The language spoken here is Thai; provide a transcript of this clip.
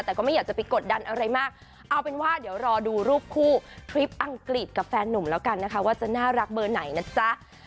แต่ก็ไม่อยากจะไปกดดันอะไรมากเอาเป็นว่าเดี๋ยวรอดูรูปคู่ทริปอังกฤษกับแฟนหนุ่มแล้วกันนะคะว่าจะน่ารักเบอร์ไหนนะจ๊ะ